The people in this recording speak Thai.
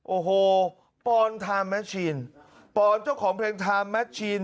โอ้โหปอนทาแมชชีนปอนเจ้าของเพลงไทม์แมชชีน